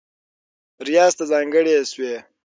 ریاض ته ځانګړې شوې